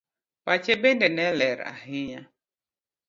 Pache bende ne ler ahinya